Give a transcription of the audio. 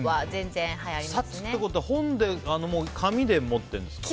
冊ってことは紙で持ってるんですか？